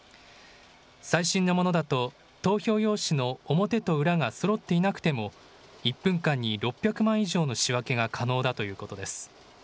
最新のものだと投票用紙の表と裏がそろっていなくても１分間に６００枚以上の仕分けが可能だということです。